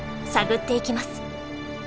探っていきます。